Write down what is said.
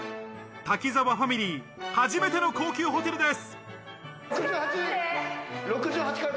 滝沢ファミリー、初めての高級ホテルです。